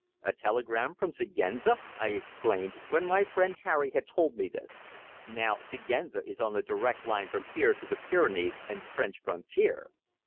"A telegram from Siguenza!" I exclaimed, when my friend Harry had told me this. "Now Siguenza is on the direct line from here to the Pyrenees and the French frontier!